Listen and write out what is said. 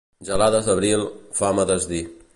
Gelades d'abril, fam a desdir.